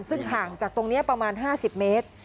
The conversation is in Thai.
ซึ่งห่างจากตรงนี้ประมาณ๕๐เมตร